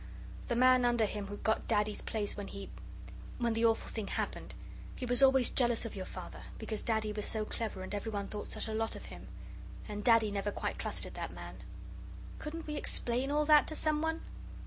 The man under him who got Daddy's place when he when the awful thing happened he was always jealous of your Father because Daddy was so clever and everyone thought such a lot of him. And Daddy never quite trusted that man." "Couldn't we explain all that to someone?"